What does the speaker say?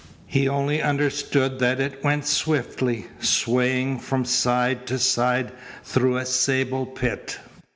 He only understood that it went swiftly, swaying from side to side through a sable pit.